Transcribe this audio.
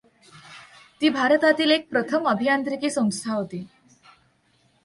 ती भारतातील एक प्रथम अभियांत्रीकी संस्था होती.